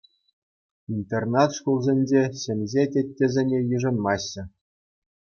Интернат шкулсенче ҫемҫе теттесене йышӑнмаҫҫӗ.